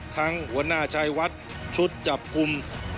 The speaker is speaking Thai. ทั้งหัวหน้าชายวัดชุดจับกุม